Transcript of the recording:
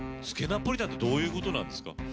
つけナポリタンってどういうことなんですか？